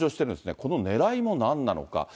このねらいもなんなのか。